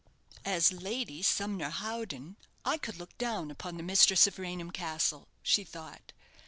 "As Lady Sumner Howden, I could look down upon the mistress of Raynham Castle," she thought.